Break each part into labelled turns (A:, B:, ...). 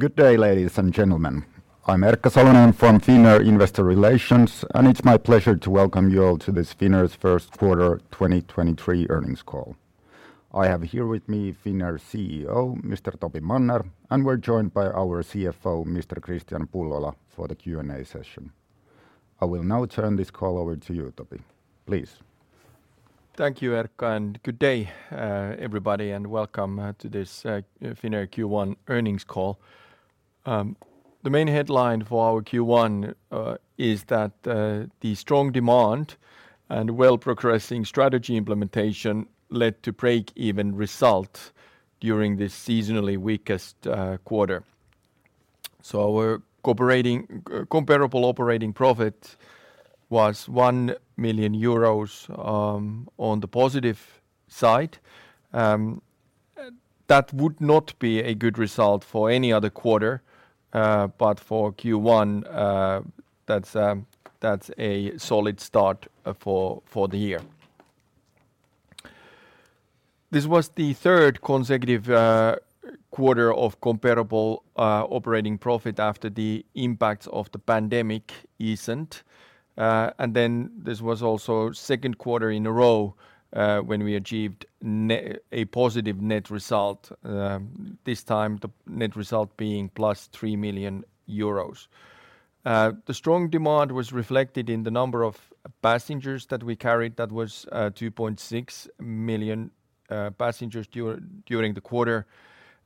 A: Good day, ladies and gentlemen. I'm Erkka Salonen from Finnair Investor Relations, and it's my pleasure to welcome you all to this Finnair's First Quarter 2023 Earnings Call. I have here with me Finnair CEO, Mr. Topi Manner, and we're joined by our CFO, Mr. Kristian Pullola, for the Q&A session. I will now turn this call over to you, Topi. Please.
B: Thank you, Erkka, good day, everybody, and welcome to this Finnair Q1 Earnings Call. The main headline for our Q1 is that the strong demand and well progressing strategy implementation led to break-even result during this seasonally weakest quarter. Our comparable operating profit was 1 million euros on the positive side. That would not be a good result for any other quarter, but for Q1, that's a solid start for the year. This was the third consecutive quarter of comparable operating profit after the impact of the pandemic eased. This was also second quarter in a row when we achieved a positive net result, this time the net result being +3 million euros. The strong demand was reflected in the number of passengers that we carried. That was 2.6 million passengers during the quarter.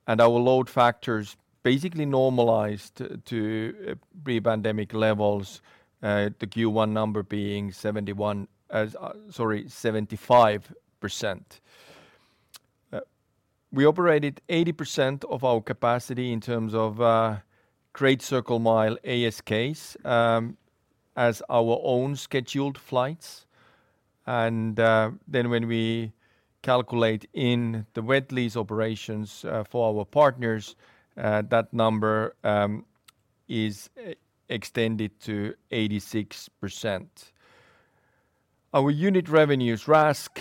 B: Our load factors basically normalized to pre-pandemic levels, the Q1 number being 71, sorry, 75%. We operated 80% of our capacity in terms of Great Circle ASKs as our own scheduled flights. Then when we calculate in the wet lease operations for our partners, that number is extended to 86%. Our unit revenues RASK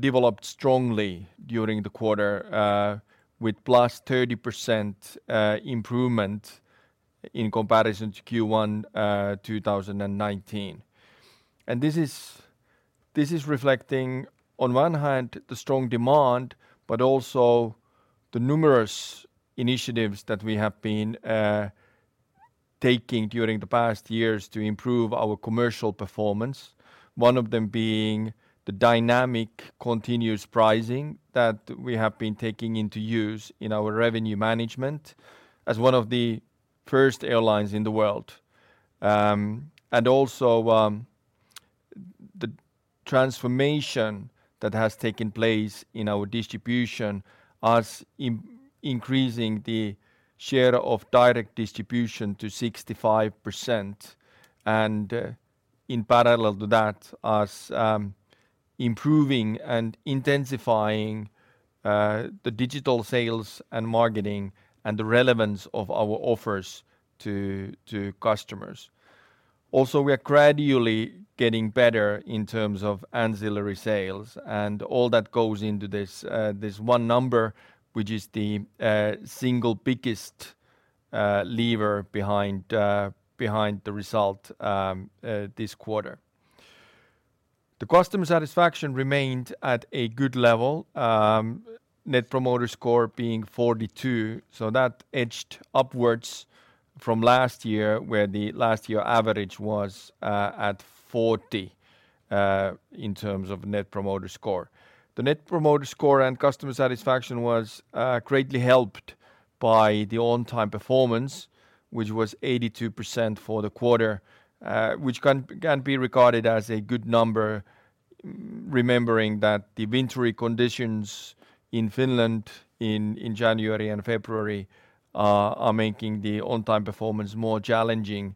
B: developed strongly during the quarter, with +30% improvement in comparison to Q1 2019. This is reflecting on one hand the strong demand, but also the numerous initiatives that we have been taking during the past years to improve our commercial performance. One of them being the dynamic continuous pricing that we have been taking into use in our revenue management as one of the first airlines in the world. The transformation that has taken place in our distribution as increasing the share of direct distribution to 65% and in parallel to that as improving and intensifying the digital sales and marketing and the relevance of our offers to customers. We are gradually getting better in terms of ancillary sales and all that goes into this one number, which is the single biggest lever behind the result this quarter. The customer satisfaction remained at a good level, Net Promoter Score being 42, that edged upwards from last year, where the last year average was at 40 in terms of Net Promoter Score. The Net Promoter Score and customer satisfaction was greatly helped by the on time performance, which was 82% for the quarter, which can be regarded as a good number, remembering that the wintry conditions in Finland in January and February are making the on time performance more challenging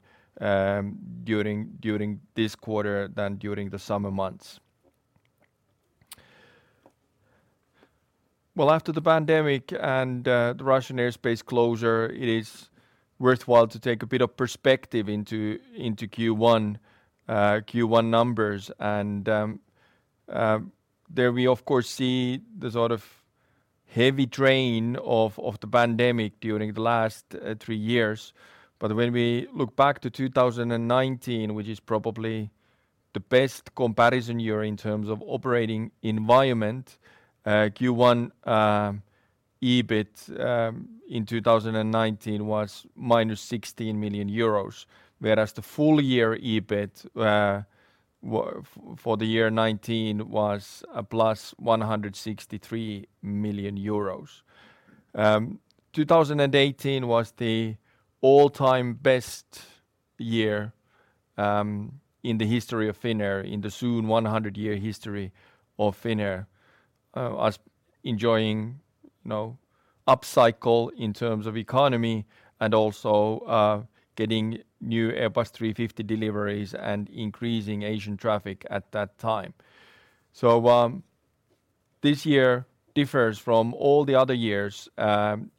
B: during this quarter than during the summer months. After the pandemic and the Russian airspace closure, it is worthwhile to take a bit of perspective into Q1 numbers. There we of course see the sort of heavy drain of the pandemic during the last three years. When we look back to 2019, which is probably the best comparison year in terms of operating environment, Q1, EBIT, in 2019 was -16 million euros, whereas the full year EBIT, for the year 2019 was +163 million euros. 2018 was the all-time best year, in the history of Finnair, in the soon 100-year history of Finnair. Us enjoying, you know, upcycle in terms of economy and also, getting new Airbus A350 deliveries and increasing Asian traffic at that time. This year differs from all the other years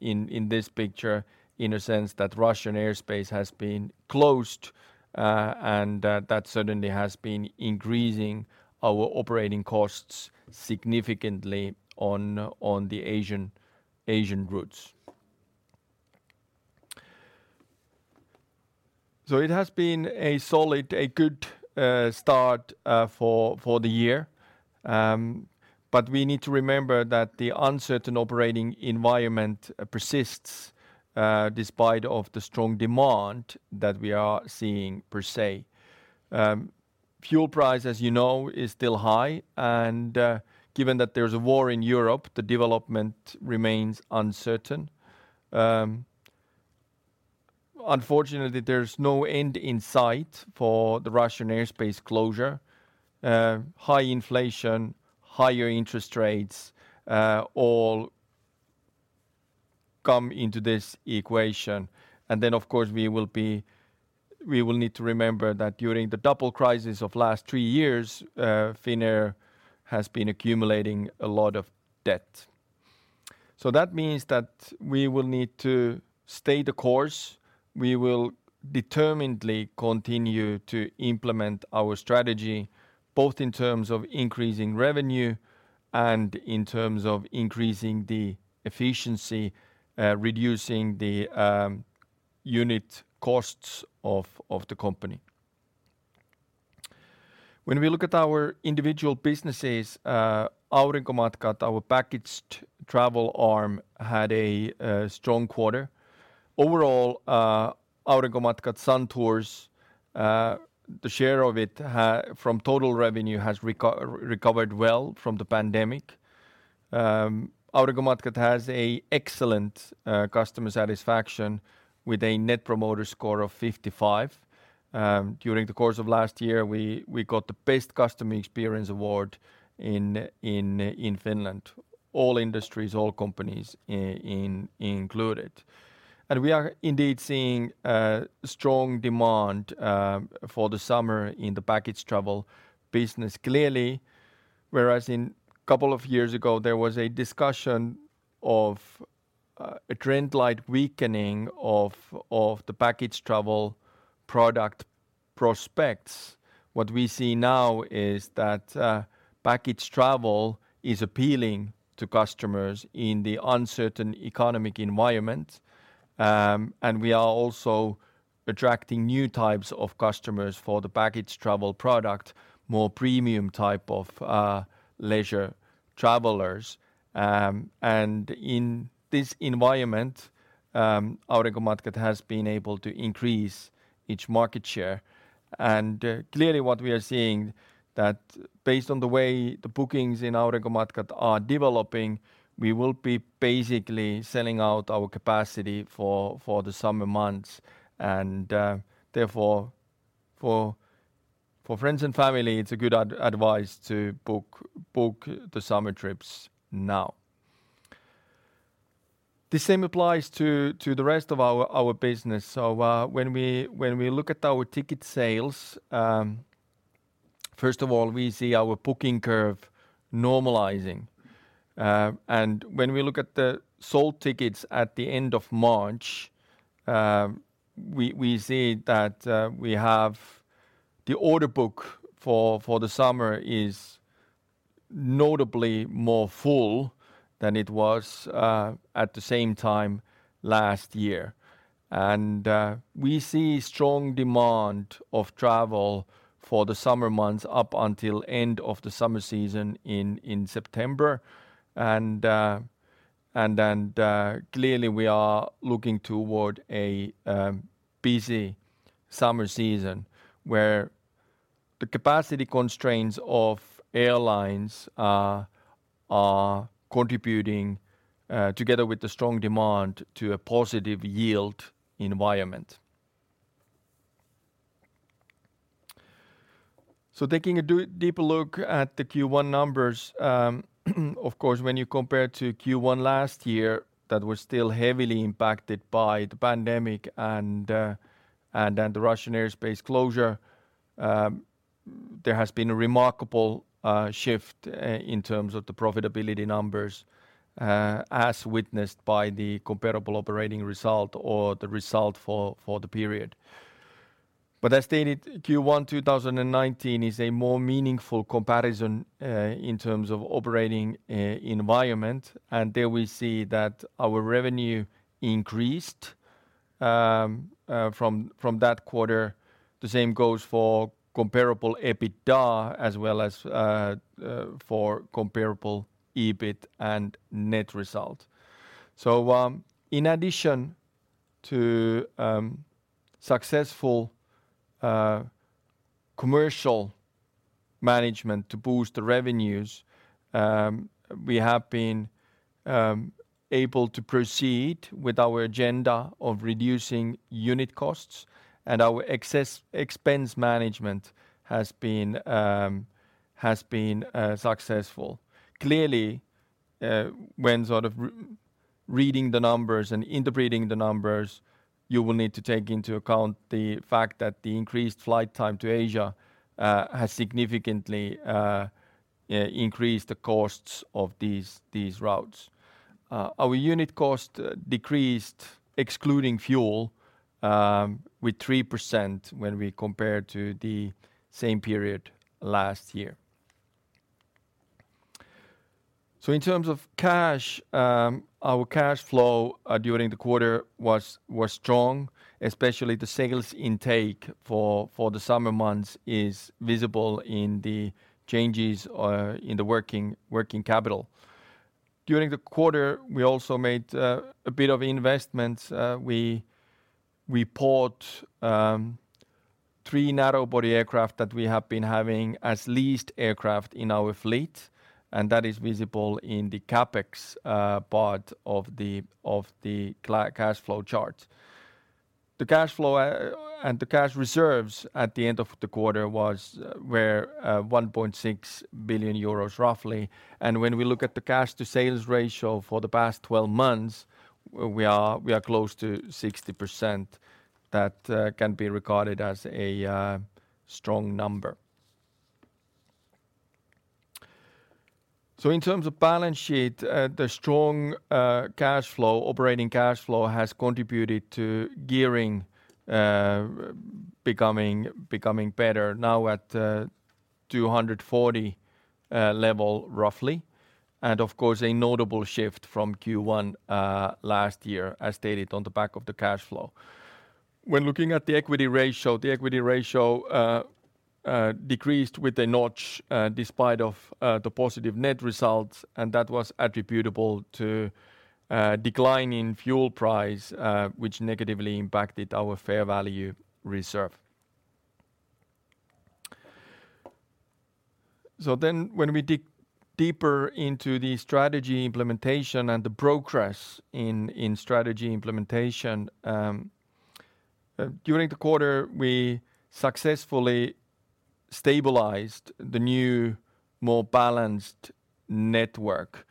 B: in this picture in a sense that Russian airspace has been closed, and that certainly has been increasing our operating costs significantly on the Asian routes. It has been a solid, a good start for the year. We need to remember that the uncertain operating environment persists despite of the strong demand that we are seeing per se. Fuel price, as you know, is still high, and given that there's a war in Europe, the development remains uncertain. There's no end in sight for the Russian airspace closure. High inflation, higher interest rates, all come into this equation. Of course, we will need to remember that during the double crisis of last three years, Finnair has been accumulating a lot of debt. That means that we will need to stay the course. We will determinedly continue to implement our strategy, both in terms of increasing revenue and in terms of increasing the efficiency, reducing the unit costs of the company. When we look at our individual businesses, Aurinkomatkat, our packaged travel arm, had a strong quarter. Overall, Aurinkomatkat-Suntours, the share of it from total revenue has recovered well from the pandemic. Aurinkomatkat has a excellent customer satisfaction with a Net Promoter Score of 55. During the course of last year, we got the Best Customer Experience award in Finland, all industries, all companies included. We are indeed seeing a strong demand for the summer in the package travel business clearly, whereas in couple of years ago, there was a discussion of a trend-like weakening of the package travel product prospects. What we see now is that package travel is appealing to customers in the uncertain economic environment. We are also attracting new types of customers for the package travel product, more premium type of leisure travelers. In this environment, Aurinkomatkat has been able to increase its market share. Clearly what we are seeing that based on the way the bookings in Aurinkomatkat are developing, we will be basically selling out our capacity for the summer months. Therefore, for friends and family, it's a good advice to book the summer trips now. The same applies to the rest of our business. When we look at our ticket sales, first of all, we see our booking curve normalizing. When we look at the sold tickets at the end of March, we see that we have the order book for the summer is notably more full than it was at the same time last year. We see strong demand of travel for the summer months up until end of the summer season in September. Clearly we are looking toward a busy summer season where the capacity constraints of airlines are contributing together with the strong demand to a positive yield environment. Taking a deeper look at the Q1 numbers, of course, when you compare to Q1 last year, that was still heavily impacted by the pandemic and then the Russian airspace closure, there has been a remarkable shift in terms of the profitability numbers as witnessed by the comparable operating result or the result for the period. As stated, Q1 2019 is a more meaningful comparison in terms of operating environment, and there we see that our revenue increased from that quarter. The same goes for comparable EBITDA as well as for comparable EBIT and net result. In addition to successful commercial management to boost the revenues, we have been able to proceed with our agenda of reducing unit costs, and our expense management has been successful. Clearly, when sort of reading the numbers and interpreting the numbers, you will need to take into account the fact that the increased flight time to Asia has significantly increased the costs of these routes. Our unit cost decreased, excluding fuel, with 3% when we compare to the same period last year. In terms of cash, our cash flow during the quarter was strong, especially the sales intake for the summer months is visible in the changes in the working capital. During the quarter, we also made a bit of investments. We bought three narrow body aircraft that we have been having as leased aircraft in our fleet. That is visible in the CapEx part of the cash flow chart. The cash flow and the cash reserves at the end of the quarter were 1.6 billion euros roughly. When we look at the cash to sales ratio for the past 12 months, we are close to 60% that can be regarded as a strong number. In terms of balance sheet, the strong operating cash flow has contributed to gearing becoming better now at 240 level roughly. Of course, a notable shift from Q1 last year, as stated on the back of the cash flow. When looking at the equity ratio, the equity ratio decreased with a notch despite of the positive net results, and that was attributable to decline in fuel price, which negatively impacted our fair value reserve. When we dig deeper into the strategy implementation and the progress in strategy implementation during the quarter, we successfully stabilized the new, more balanced network.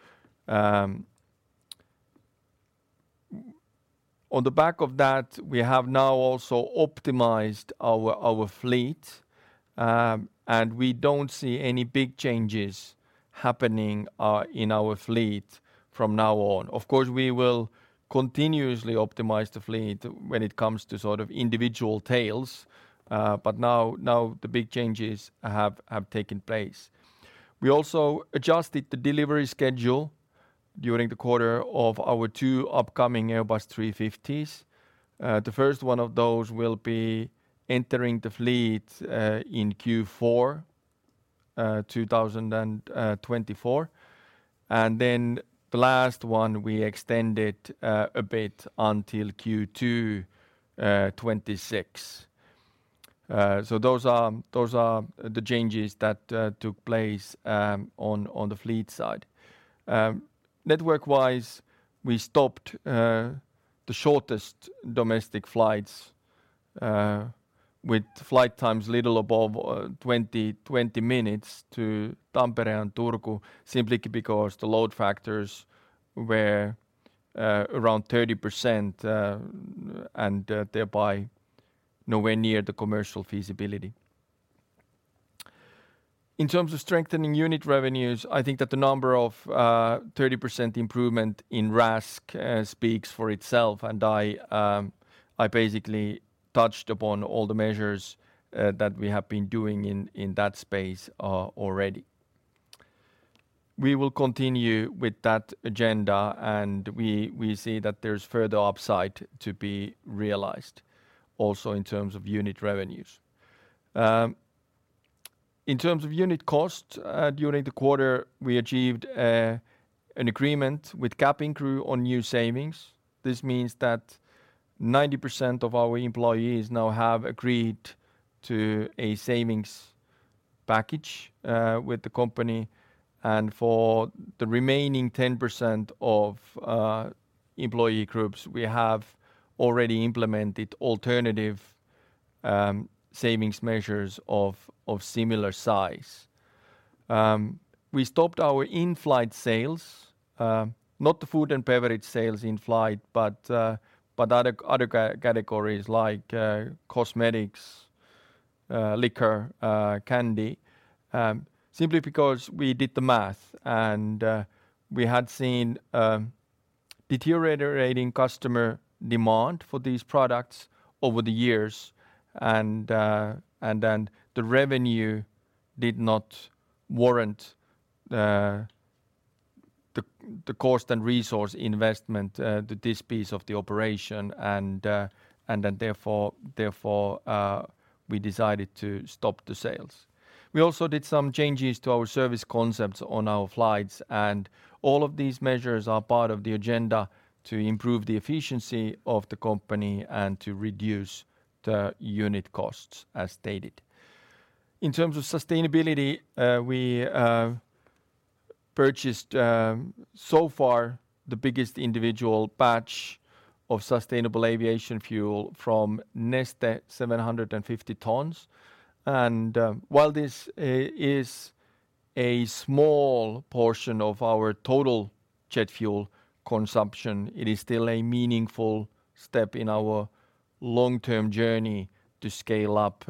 B: On the back of that, we have now also optimized our fleet, and we don't see any big changes happening in our fleet from now on. Of course, we will continuously optimize the fleet when it comes to sort of individual tails, but now the big changes have taken place. We also adjusted the delivery schedule during the quarter of our two upcoming Airbus A350s. The first one of those will be entering the fleet in Q4 2024. The last one we extended a bit until Q2 2026. Those are the changes that took place on the fleet side. Network-wise, we stopped the shortest domestic flights with flight times little above 20 minutes to Tampere and Turku simply because the load factors were around 30% and thereby nowhere near the commercial feasibility. In terms of strengthening unit revenues, I think that the number of 30% improvement in RASK speaks for itself, and I basically touched upon all the measures that we have been doing in that space already. We will continue with that agenda, and we see that there's further upside to be realized also in terms of unit revenues. In terms of unit cost, during the quarter, we achieved an agreement with cabin crew on new savings. This means that 90% of our employees now have agreed to a savings package with the company. For the remaining 10% of employee groups, we have already implemented alternative savings measures of similar size. We stopped our in-flight sales, not the food and beverage sales in flight, but other categories like cosmetics, liquor, candy, simply because we did the math and we had seen deteriorating customer demand for these products over the years and then the revenue did not warrant the cost and resource investment to this piece of the operation and then therefore we decided to stop the sales. We also did some changes to our service concepts on our flights. All of these measures are part of the agenda to improve the efficiency of the company and to reduce the unit costs as stated. In terms of sustainability, we purchased so far the biggest individual batch of sustainable aviation fuel from Neste, 750 tons. While this is a small portion of our total jet fuel consumption, it is still a meaningful step in our long-term journey to scale up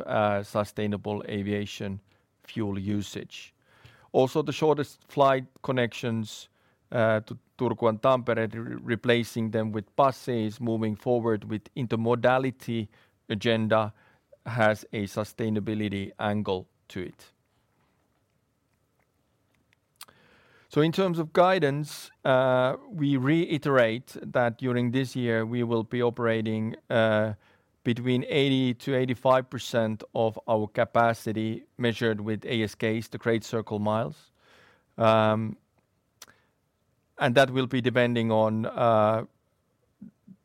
B: sustainable aviation fuel usage. The shortest flight connections to Turku and Tampere replacing them with buses moving forward with intermodality agenda. It has a sustainability angle to it. In terms of guidance, we reiterate that during this year we will be operating between 80%-85% of our capacity measured with ASK, the Great Circle Miles. That will be depending on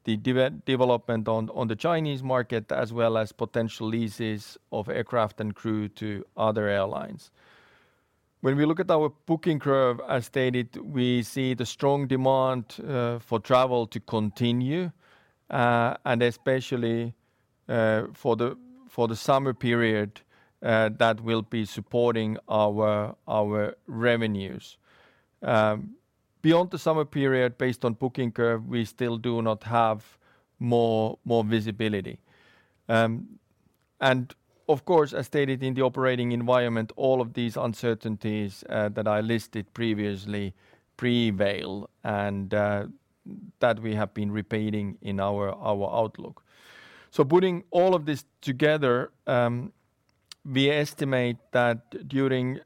B: the development on the Chinese market, as well as potential leases of aircraft and crew to other airlines. When we look at our booking curve, as stated, we see the strong demand for travel to continue, and especially for the summer period, that will be supporting our revenues. Beyond the summer period, based on booking curve, we still do not have more visibility. Of course, as stated in the operating environment, all of these uncertainties that I listed previously prevail and that we have been repeating in our outlook. Putting all of this together, we estimate that during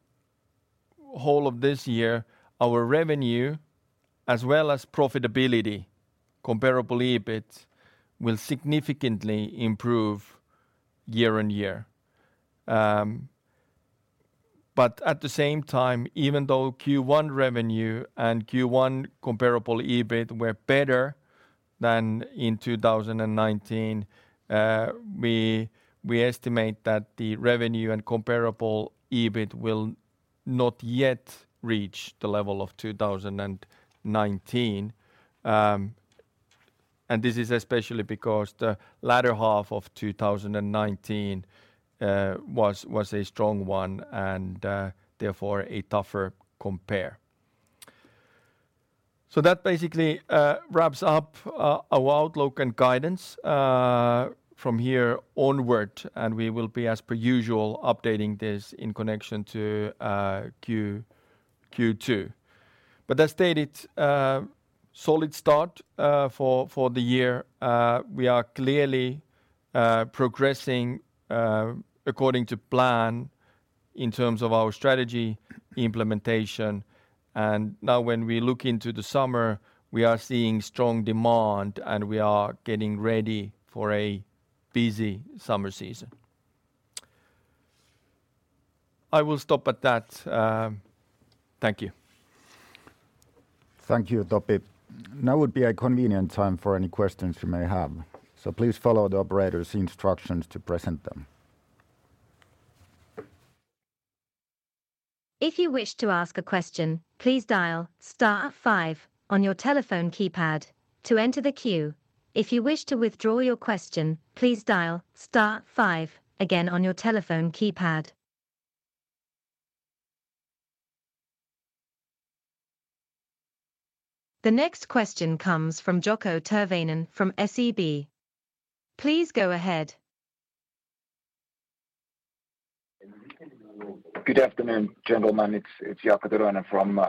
B: whole of this year, our revenue as well as profitability comparably, but will significantly improve year-on-year. At the same time, even though Q1 revenue and Q1 comparable EBIT were better than in 2019, we estimate that the revenue and comparable EBIT will not yet reach the level of 2019. This is especially because the latter half of 2019 was a strong one and therefore a tougher compare. That basically wraps up our outlook and guidance from here onward. We will be, as per usual, updating this in connection to Q2. As stated, solid start for the year. We are clearly progressing according to plan in terms of our strategy implementation. Now when we look into the summer, we are seeing strong demand, and we are getting ready for a busy summer season. I will stop at that. Thank you.
A: Thank you, Topi. Now would be a convenient time for any questions you mayf have. Please follow the operator's instructions to present them.
C: If you wish to ask a question, please dial star five on your telephone keypad to enter the queue. If you wish to withdraw your question, please dial star five again on your telephone keypad. The next question comes from Jaakko Tyrväinen from SEB. Please go ahead.
D: Good afternoon, gentlemen. It's Jaakko Tyrväinen from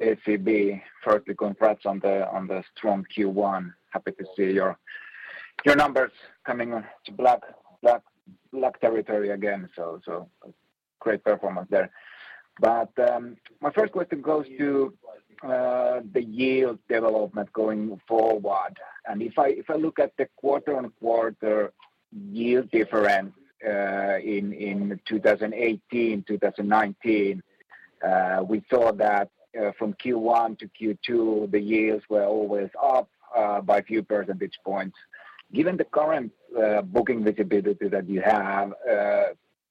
D: SEB. Firstly, congrats on the strong Q1. Happy to see your numbers coming to black territory again. Great performance there. My first question goes to the yield development going forward. If I look at the quarter-on-quarter yield difference in 2018, 2019, we saw that from Q1 to Q2, the yields were always up by few percentage points. Given the current booking visibility that you have,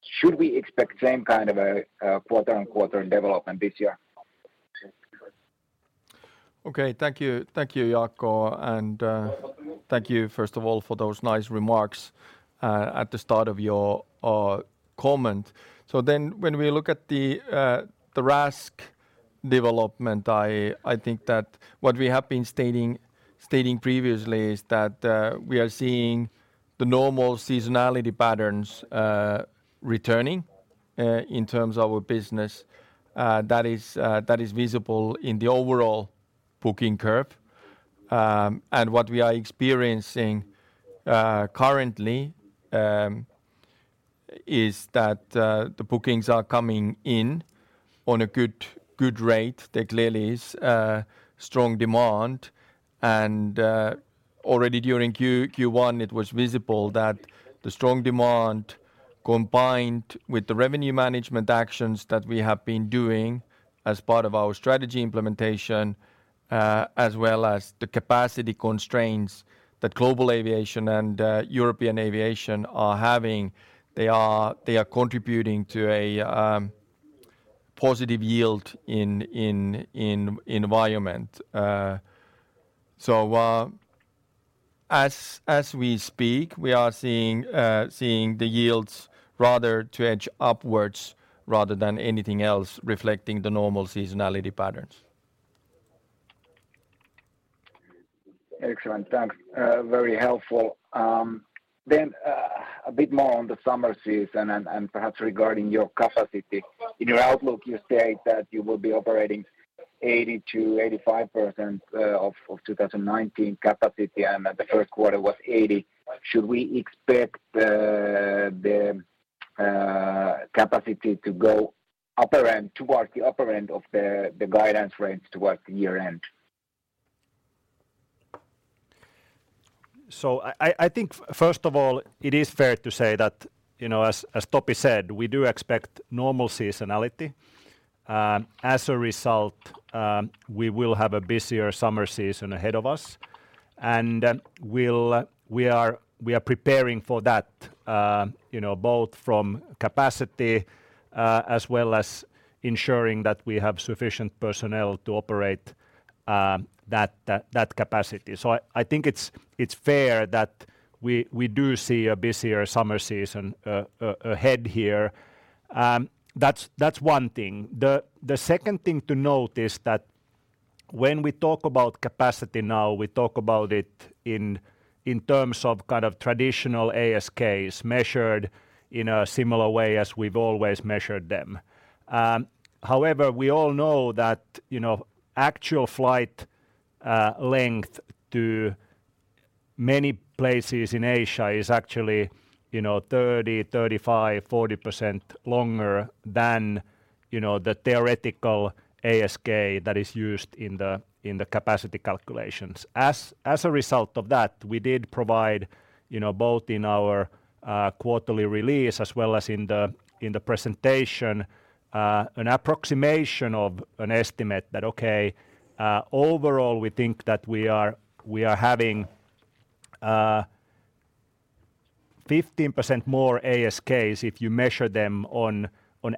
D: should we expect same kind of a quarter-on-quarter development this year?
B: Okay. Thank you. Thank you, Jaakko. Thank you first of all for those nice remarks at the start of your comment. When we look at the RASK development, I think that what we have been stating previously is that we are seeing the normal seasonality patterns returning in terms of our business. That is that is visible in the overall booking curve. What we are experiencing currently is that the bookings are coming in on a good rate. There clearly is a strong demand. Already during Q1 it was visible that the strong demand combined with the revenue management actions that we have been doing as part of our strategy implementation, as well as the capacity constraints that global aviation and European aviation are having, they are contributing to a positive yield environment. As we speak, we are seeing the yields rather to edge upwards rather than anything else reflecting the normal seasonality patterns.
D: Excellent. Thanks. Very helpful. A bit more on the summer season and perhaps regarding your capacity. In your outlook, you state that you will be operating 80%-85% of 2019 capacity and at the first quarter was 80%. Should we expect the capacity to go towards the upper end of the guidance range towards the year end?
E: I think first of all it is fair to say that, you know, as Topi said, we do expect normal seasonality. As a result, we will have a busier summer season ahead of us and we are preparing for that, you know, both from capacity, as well as ensuring that we have sufficient personnel to operate that capacity. I think it's fair that we do see a busier summer season ahead here. That's one thing. The second thing to note is that when we talk about capacity now, we talk about it in terms of kind of traditional ASKs measured in a similar way as we've always measured them. However, we all know that, you know, actual flight, length to many places in Asia is actually, you know, 30%, 35%, 40% longer than, you know, the theoretical ASK that is used in the, in the capacity calculations. As a result of that, we did provide, you know, both in our, quarterly release as well as in the, in the presentation, an approximation of an estimate that, okay, overall we think that we are having, 15% more ASKs if you measure them on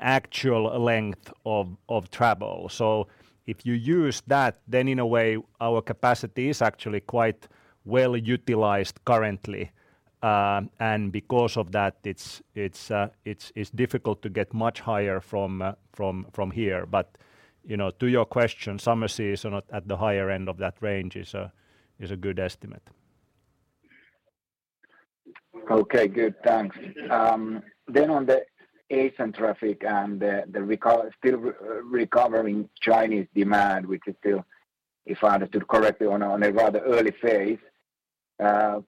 E: actual length of travel. If you use that, then in a way our capacity is actually quite well utilized currently. Because of that it's difficult to get much higher from here. You know, to your question, summer season at the higher end of that range is a good estimate.
D: Okay, good. Thanks. On the Asian traffic and the recovering Chinese demand, which is still, if I understood correctly, on a rather early phase,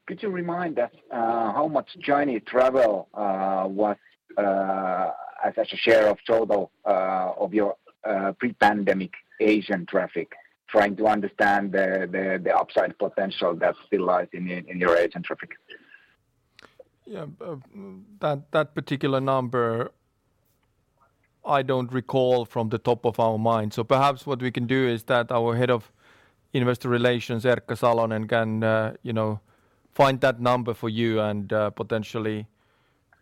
D: could you remind us how much Chinese travel was as a share of total of your pre-pandemic Asian traffic? Trying to understand the upside potential that still lies in your Asian traffic.
B: Yeah. That particular number I don't recall from the top of our mind. Perhaps what we can do is that our head of investor relations, Erkka Salonen can, you know, find that number for you and, potentially,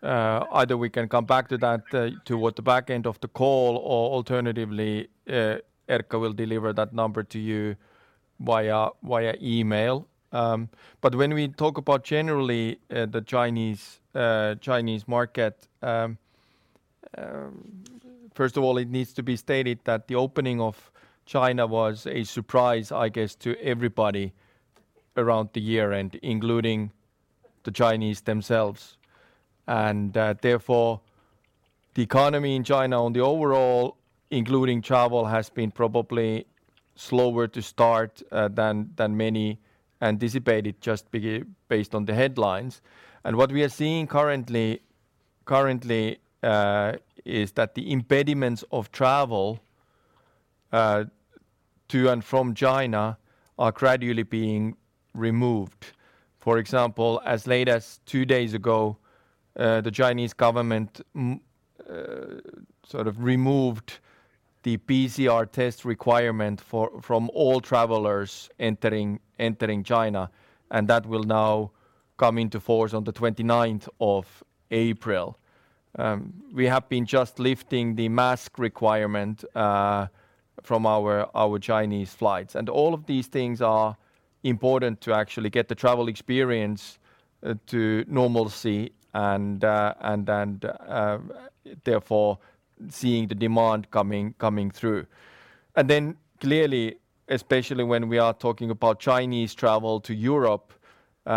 B: either we can come back to that toward the back end of the call or alternatively, Erkka will deliver that number to you via email. When we talk about generally, the Chinese market, first of all it needs to be stated that the opening of China was a surprise I guess to everybody around the year and including the Chinese themselves. Therefore the economy in China on the overall, including travel, has been probably slower to start than many anticipated just based on the headlines. What we are seeing currently is that the impediments of travel to and from China are gradually being removed. For example, as late as two days ago, the Chinese government sort of removed the PCR test requirement for, from all travelers entering China, and that will now come into force on the 29th of April. We have been just lifting the mask requirement from our Chinese flights. All of these things are important to actually get the travel experience to normalcy and then therefore seeing the demand coming through. Clearly, especially when we are talking about Chinese travel to Europe, there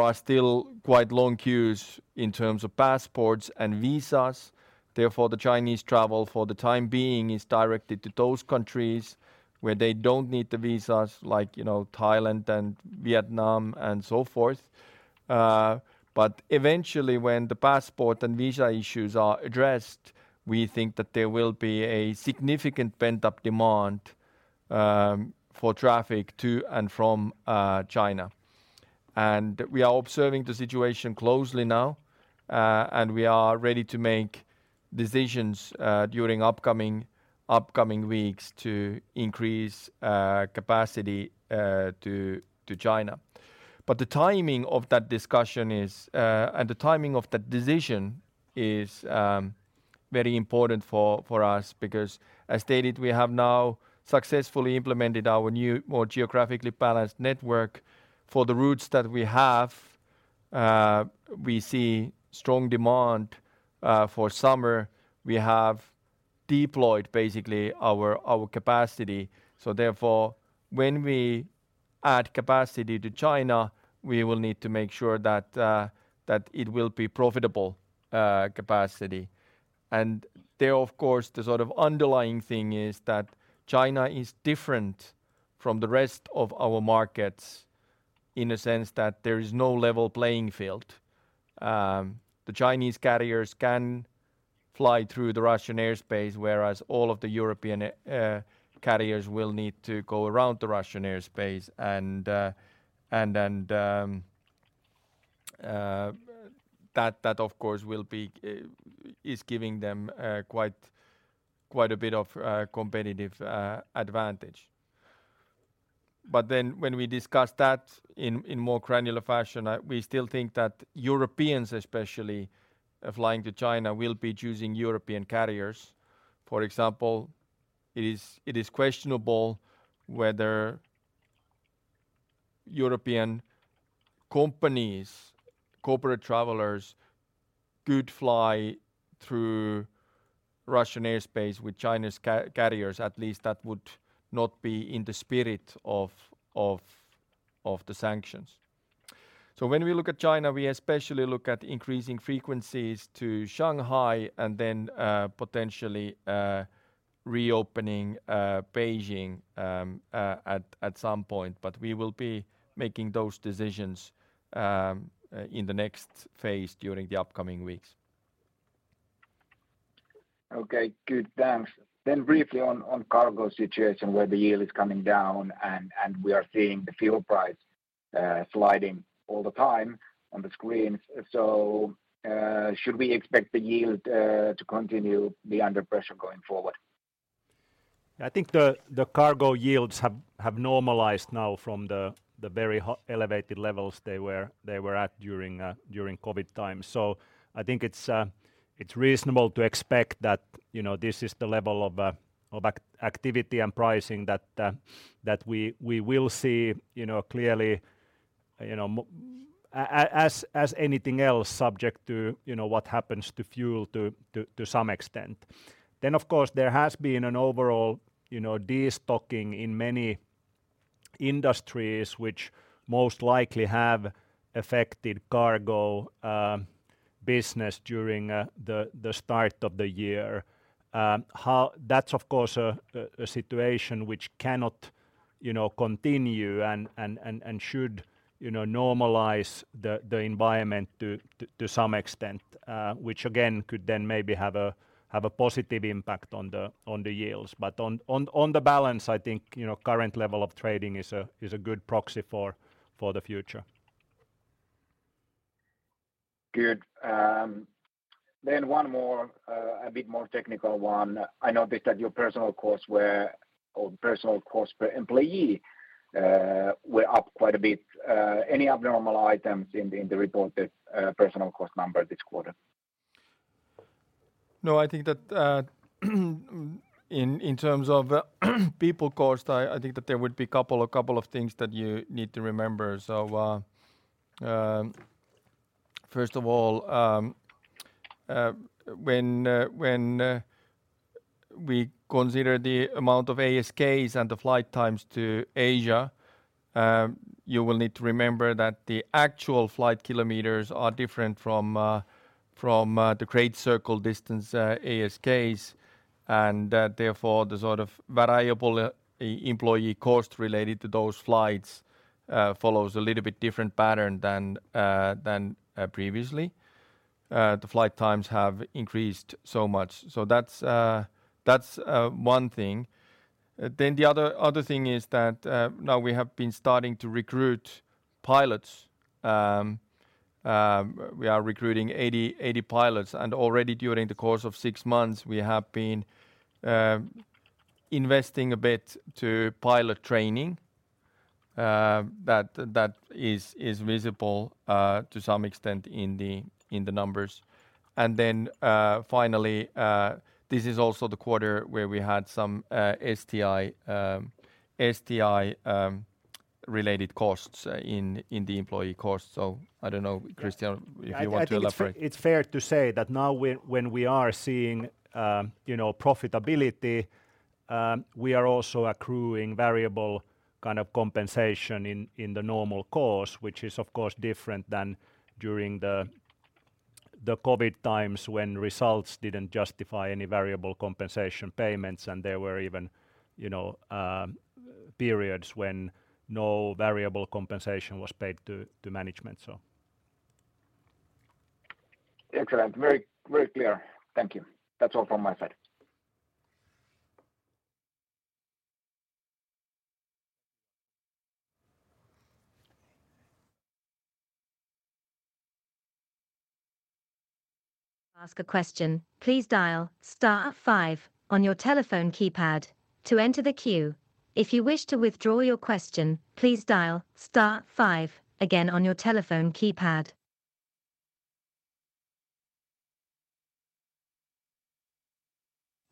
B: are still quite long queues in terms of passports and visas. The Chinese travel for the time being is directed to those countries where they don't need the visas like, you know, Thailand and Vietnam and so forth. Eventually when the passport and visa issues are addressed, we think that there will be a significant pent-up demand for traffic to and from China. We are observing the situation closely now, and we are ready to make decisions during upcoming weeks to increase capacity to China. The timing of that discussion is and the timing of that decision is very important for us because as stated we have now successfully implemented our new more geographically balanced network. The routes that we have, we see strong demand for summer. We have deployed basically our capacity. When we add capacity to China, we will need to make sure that it will be profitable capacity. Of course, the sort of underlying thing is that China is different from the rest of our markets in a sense that there is no level playing field. The Chinese carriers can fly through the Russian airspace, whereas all of the European carriers will need to go around the Russian airspace, that of course is giving them quite a bit of competitive advantage. When we discuss that in more granular fashion, we still think that Europeans, especially flying to China, will be choosing European carriers. For example, it is questionable whether European companies, corporate travelers could fly through Russian airspace with Chinese carriers. At least that would not be in the spirit of the sanctions. When we look at China, we especially look at increasing frequencies to Shanghai and then potentially reopening Beijing at some point. We will be making those decisions in the next phase during the upcoming weeks.
D: Okay, good. Thanks. Briefly on cargo situation where the yield is coming down and we are seeing the fuel price sliding all the time on the screen. Should we expect the yield to continue be under pressure going forward?
E: I think the cargo yields have normalized now from the very high-elevated levels they were at during COVID times. I think it's reasonable to expect that, you know, this is the level of activity and pricing that we will see, you know, clearly, you know, as anything else subject to, you know, what happens to fuel to some extent. Of course, there has been an overall, you know, destocking in many industries which most likely have affected cargo business during the start of the year. That's of course a situation which cannot, you know, continue and should, you know, normalize the environment to some extent, which again could then maybe have a positive impact on the, on the yields. On the balance, I think, you know, current level of trading is a good proxy for the future.
D: Good. One more, a bit more technical one. I noticed that your personal costs were or personal cost per employee, were up quite a bit. Any abnormal items in the, in the reported, personal cost number this quarter?
B: No, I think that in terms of people cost, I think that there would be a couple of things that you need to remember. First of all, when we consider the amount of ASKs and the flight times to Asia, you will need to remember that the actual flight kilometers are different from the Great Circle ASKs, and that therefore the sort of variable e-employee cost related to those flights follows a little bit different pattern than previously. The flight times have increased so much. That's one thing. The other thing is that now we have been starting to recruit pilots. We are recruiting 80 pilots, and already during the course of six months, we have been investing a bit to pilot training that is visible to some extent in the numbers. Finally, this is also the quarter where we had some STI related costs in the employee costs. I don't know, Kristian, if you want to elaborate.
E: I think it's fair to say that now when we are seeing, you know, profitability, we are also accruing variable kind of compensation in the normal course, which is of course different than during the COVID times when results didn't justify any variable compensation payments and there were even, you know, periods when no variable compensation was paid to management.
D: Excellent. Very, very clear. Thank you. That's all from my side.
C: Ask a question, please dial star five on your telephone keypad to enter the queue. If you wish to withdraw your question, please dial star five again on your telephone keypad.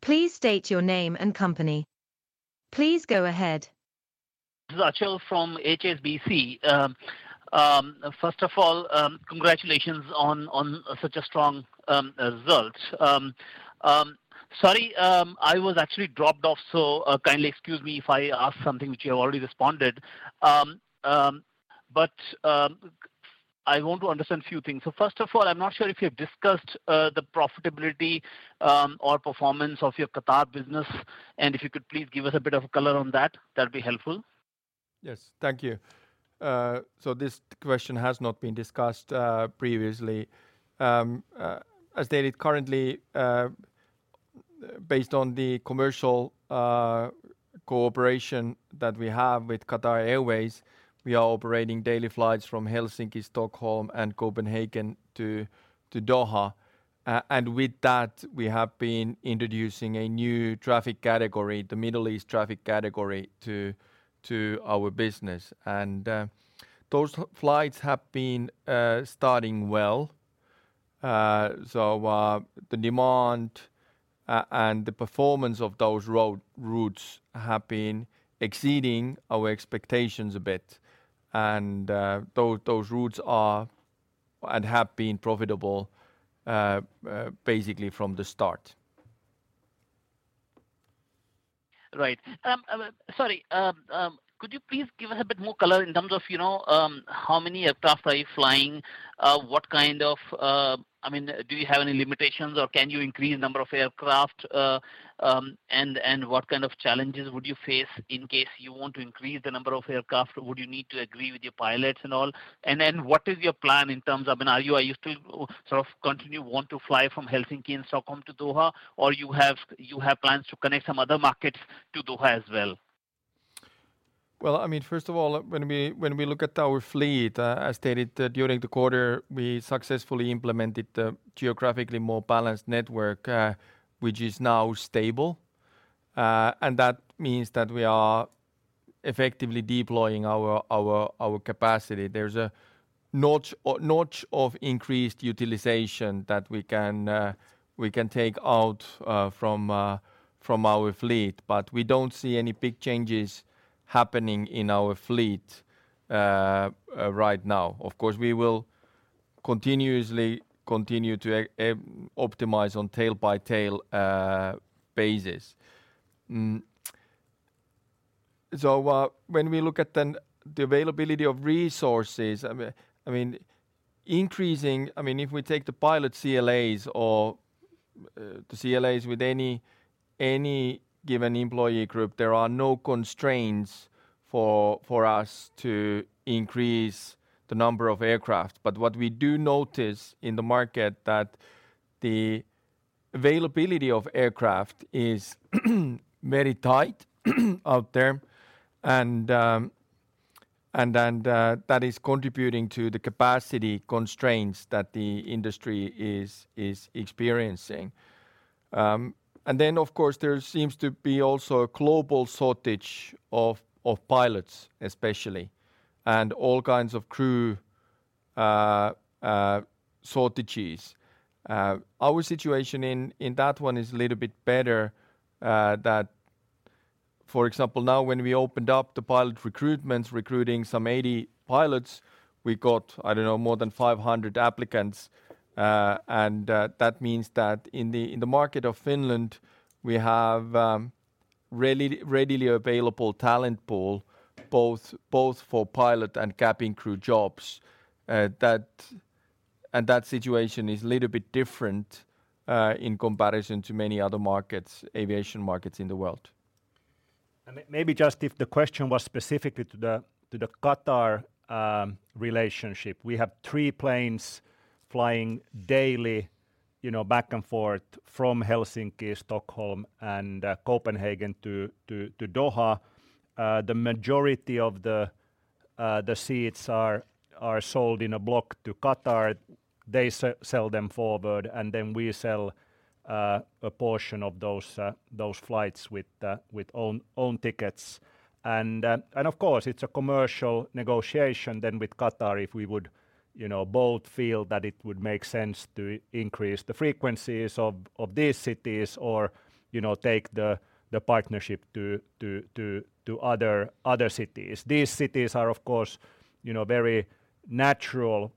C: Please state your name and company. Please go ahead.
F: This is Achal from HSBC. First of all, congratulations on such a strong result. Sorry, I was actually dropped off, so kindly excuse me if I ask something which you have already responded. I want to understand a few things. First of all, I'm not sure if you have discussed the profitability or performance of your Qatar business, and if you could please give us a bit of color on that'd be helpful.
B: Yes. Thank you. This question has not been discussed previously. As stated currently, based on the commercial cooperation that we have with Qatar Airways, we are operating daily flights from Helsinki, Stockholm, and Copenhagen to Doha. With that, we have been introducing a new traffic category, the Middle East traffic category to our business. Those flights have been starting well. The demand and the performance of those routes have been exceeding our expectations a bit. Those routes are and have been profitable basically from the start.
F: Right. Sorry, could you please give us a bit more color in terms of, you know, how many aircraft are you flying? What kind of, I mean, do you have any limitations or can you increase number of aircraft? What kind of challenges would you face in case you want to increase the number of aircraft? Would you need to agree with your pilots and all? What is your plan in terms of, I mean, are you still sort of continue want to fly from Helsinki and Stockholm to Doha, or you have plans to connect some other markets to Doha as well?
B: Well, I mean, first of all, when we look at our fleet, as stated during the quarter, we successfully implemented a geographically more balanced network, which is now stable. That means that we are effectively deploying our capacity. There's a notch of increased utilization that we can take out from our fleet. We don't see any big changes happening in our fleet right now. Of course, we will continuously continue to optimize on tail by tail basis. When we look at then the availability of resources, I mean, if we take the pilot CLAs or the CLAs with any given employee group, there are no constraints for us to increase the number of aircraft. What we do notice in the market that the availability of aircraft is very tight out there and then that is contributing to the capacity constraints that the industry is experiencing. And then of course there seems to be also a global shortage of pilots especially, and all kinds of crew shortages. Our situation in that one is a little bit better, that for example, now when we opened up the pilot recruitment, recruiting some 80 pilots, we got, I don't know, more than 500 applicants. And that means that in the market of Finland, we have readily available talent pool both for pilot and cabin crew jobs. And that situation is a little bit different in comparison to many other markets, aviation markets in the world.
E: Maybe just if the question was specifically to the Qatar relationship. We have three planes flying daily, you know, back and forth from Helsinki, Stockholm and Copenhagen to Doha. The majority of the seats are sold in a block to Qatar. They sell them forward, and then we sell a portion of those flights with own tickets. Of course it's a commercial negotiation then with Qatar if we would, you know, both feel that it would make sense to increase the frequencies of these cities or, you know, take the partnership to other cities. These cities are of course, you know, very natural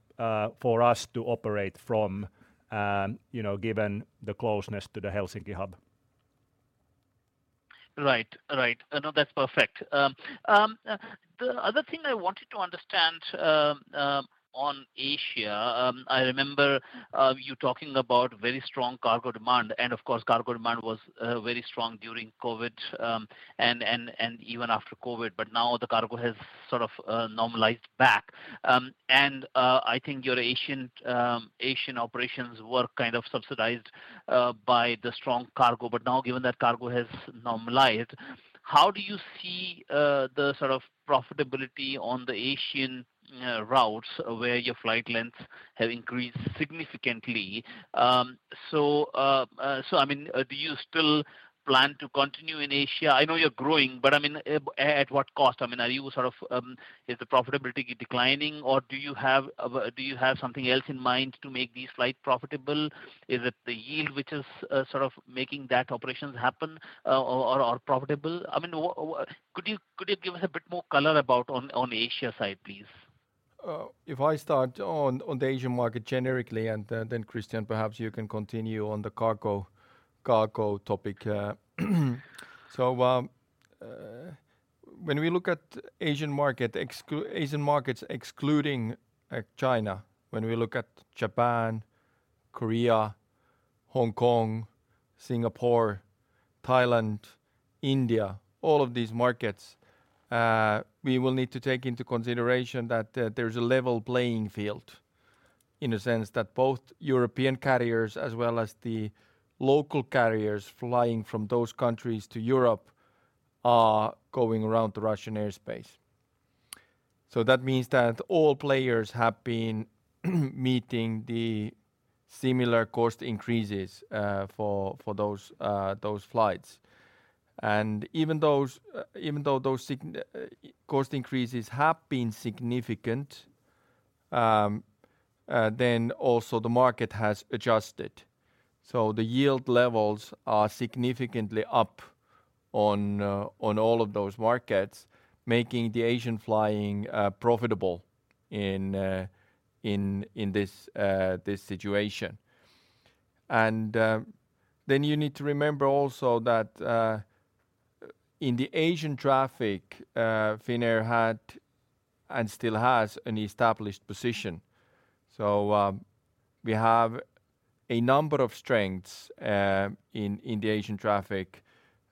E: for us to operate from, you know, given the closeness to the Helsinki hub.
F: Right. Right. No, that's perfect. The other thing I wanted to understand on Asia, I remember you talking about very strong cargo demand, and of course cargo demand was very strong during COVID, and even after COVID. Now the cargo has sort of normalized back. I think your Asian operations were kind of subsidized by the strong cargo. Now given that cargo has normalized, how do you see the sort of profitability on the Asian routes where your flight lengths have increased significantly? I mean, do you still plan to continue in Asia? I know you're growing, but I mean, at what cost? I mean, are you sort of, is the profitability declining or do you have something else in mind to make these flights profitable? Is it the yield which is, sort of making that operations happen, or profitable? I mean, could you give us a bit more color about on Asia side, please?
B: If I start on the Asian market generically, then Kristian perhaps you can continue on the cargo topic. When we look at Asian markets excluding China, when we look at Japan, Korea, Hong Kong, Singapore, Thailand, India, all of these markets, we will need to take into consideration that there's a level playing field, in a sense that both European carriers as well as the local carriers flying from those countries to Europe are going around the Russian airspace. That means that all players have been meeting the similar cost increases for those flights. Even though those cost increases have been significant, also the market has adjusted. The yield levels are significantly up on all of those markets, making the Asian flying profitable in this situation. You need to remember also that in the Asian traffic, Finnair had and still has an established position. We have a number of strengths in the Asian traffic.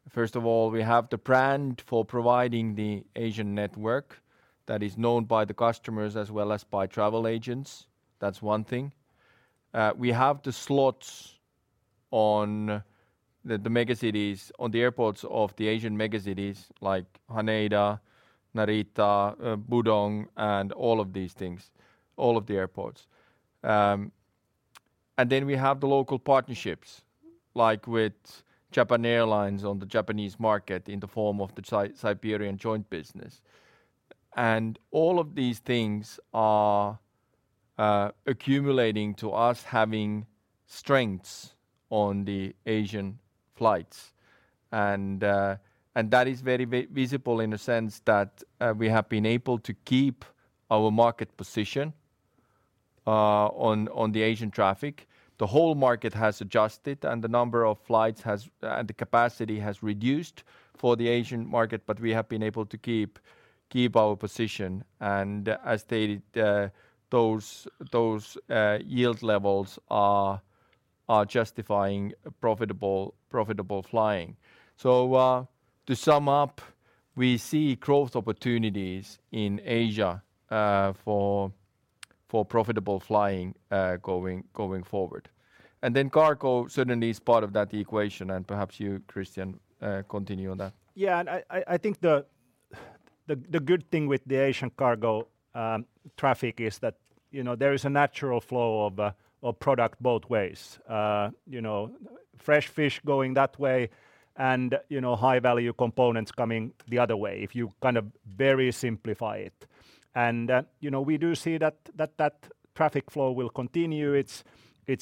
B: First of all, we have the brand for providing the Asian network that is known by the customers as well as by travel agents. That's one thing. We have the slots on the mega cities, on the airports of the Asian mega cities like Haneda, Narita, Pudong, and all of these things, all of the airports. Then we have the local partnerships, like with Japan Airlines on the Japanese market in the form of the Siberian Joint Business. All of these things are accumulating to us having strengths on the Asian flights. That is very visible in the sense that we have been able to keep our market position on the Asian traffic. The whole market has adjusted, and the number of flights has, the capacity has reduced for the Asian market, but we have been able to keep our position. As stated, those yield levels are justifying profitable flying. To sum up, we see growth opportunities in Asia, for profitable flying, going forward. Cargo certainly is part of that equation, and perhaps you, Kristian, continue on that.
E: Yeah. I think the good thing with the Asian cargo traffic is that, you know, there is a natural flow of product both ways. You know, fresh fish going that way and, you know, high value components coming the other way, if you kind of very simplify it. We do see that traffic flow will continue. It's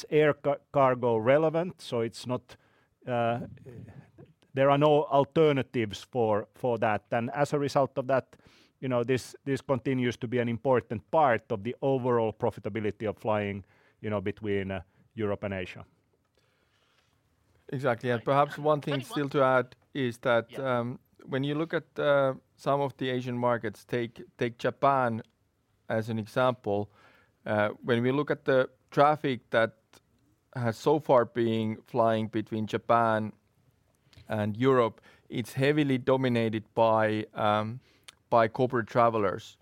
E: air cargo relevant, so it's not, there are no alternatives for that. As a result of that, you know, this continues to be an important part of the overall profitability of flying, you know, between Europe and Asia.
B: Exactly. Perhaps one thing still to add is that, when you look at some of the Asian markets, take Japan as an example. When we look at the traffic that has so far been flying between Japan and Europe, it's heavily dominated by corporate travelers,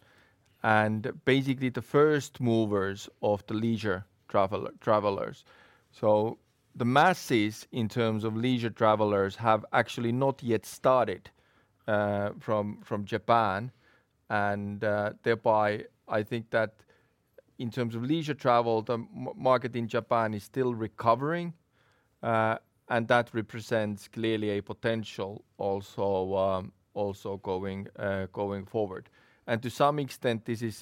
B: and basically the first movers of the leisure travelers. The masses in terms of leisure travelers have actually not yet started from Japan. Thereby, I think that in terms of leisure travel, the market in Japan is still recovering, and that represents clearly a potential also going forward. To some extent, this is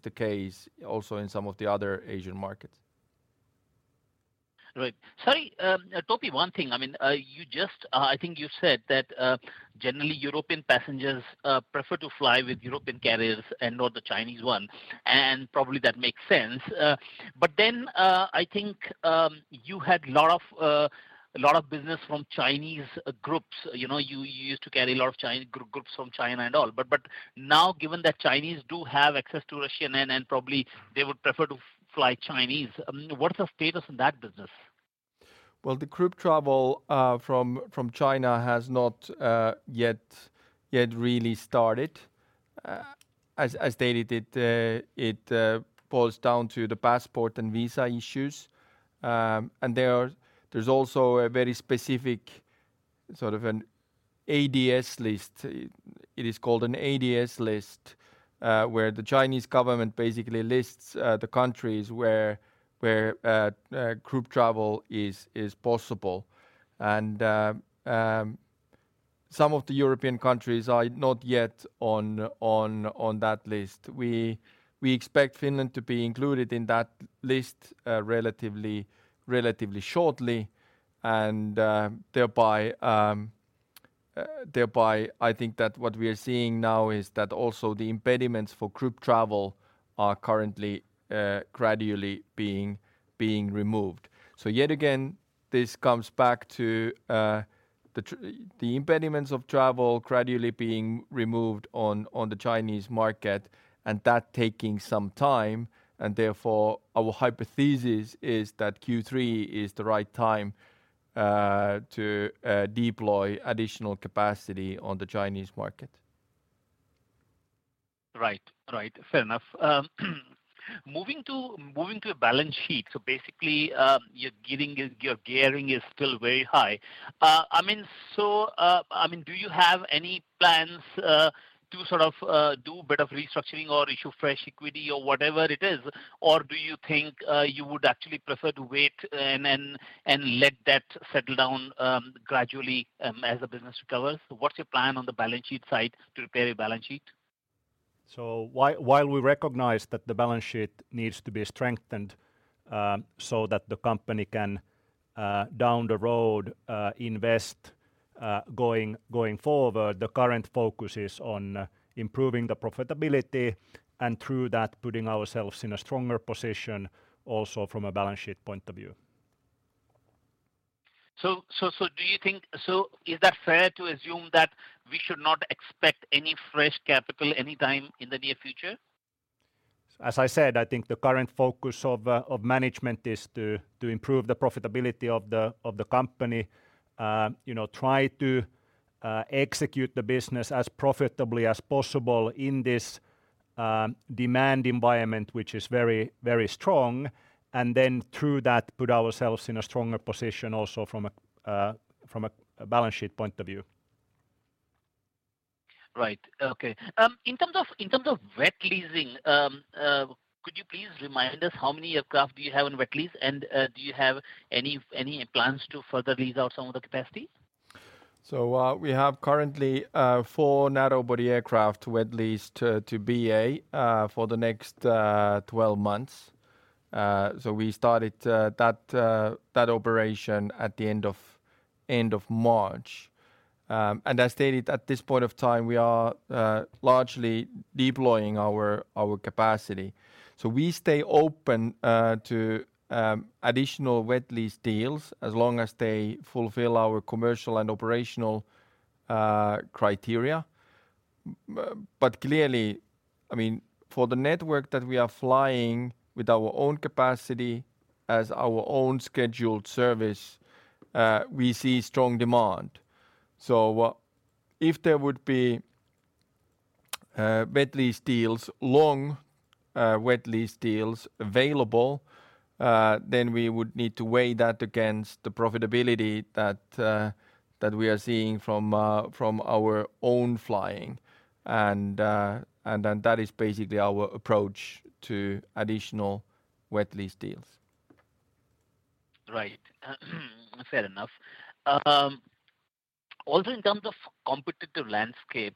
B: the case also in some of the other Asian markets.
F: Right. Sorry, Topi, one thing. I mean, you just, I think you said that generally European passengers prefer to fly with European carriers and not the Chinese ones, and probably that makes sense. Then, I think, you had lot of business from Chinese groups. You know, you used to carry a lot of groups from China and all. Now given that Chinese do have access to Russian and probably they would prefer to fly Chinese, what is the status in that business?
B: Well, the group travel from China has not yet really started. As stated, it boils down to the passport and visa issues. There's also a very specific sort of an ADS list. It is called an ADS list, where the Chinese government basically lists the countries where group travel is possible. Some of the European countries are not yet on that list. We expect Finland to be included in that list relatively shortly and thereby, I think that what we are seeing now is that also the impediments for group travel are currently gradually being removed. Yet again, this comes back to the impediments of travel gradually being removed on the Chinese market, and that taking some time, and therefore our hypothesis is that Q3 is the right time to deploy additional capacity on the Chinese market.
F: Right. Right. Fair enough. Moving to a balance sheet. Basically, I mean, your gearing is still very high. I mean, do you have any plans to sort of do a bit of restructuring or issue fresh equity or whatever it is? Do you think you would actually prefer to wait and let that settle down gradually as the business recovers? What's your plan on the balance sheet side to repair your balance sheet?
E: While we recognize that the balance sheet needs to be strengthened, so that the company can, down the road, invest, going forward, the current focus is on improving the profitability, and through that, putting ourselves in a stronger position also from a balance sheet point of view.
F: Is that fair to assume that we should not expect any fresh capital anytime in the near future?
E: As I said, I think the current focus of management is to improve the profitability of the company. You know, try to execute the business as profitably as possible in this demand environment, which is very, very strong. Through that, put ourselves in a stronger position also from a balance sheet point of view.
F: Right. Okay. In terms of wet leasing, could you please remind us how many aircraft do you have on wet lease? Do you have any plans to further lease out some of the capacity?
B: We have currently four narrow body aircraft wet leased to BA for the next 12 months. We started that operation at the end of March. As stated, at this point of time, we are largely deploying our capacity. We stay open to additional wet lease deals as long as they fulfill our commercial and operational criteria. Clearly, I mean, for the network that we are flying with our own capacity as our own scheduled service, we see strong demand. If there would be long wet lease deals available, then we would need to weigh that against the profitability that we are seeing from our own flying. That is basically our approach to additional wet lease deals.
F: Right. Fair enough. Also in terms of competitive landscape,